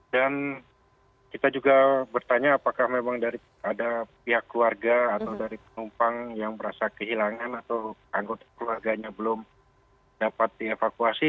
dan kita juga bertanya apakah memang dari pihak keluarga atau dari penumpang yang berasa kehilangan atau anggota keluarganya belum dapat dievakuasi